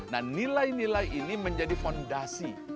nah nilai nilai ini menjadi fondasi